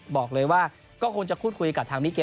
บอกเลยก็คงจะคุดคุยกับทางมิเกล